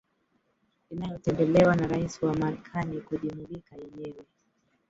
inayotembelewa na Rais wa Marekani kujimulika yenyewe